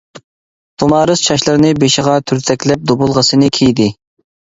تۇمارىس چاچلىرىنى بېشىغا تۈرتەكلەپ دۇبۇلغىسىنى كىيدى.